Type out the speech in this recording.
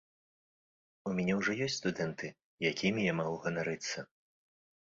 У мяне ўжо ёсць студэнты, якімі я магу ганарыцца.